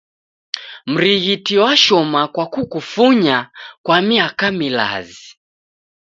Mrighiti washoma kwa kukufunya kwa miaka milazi.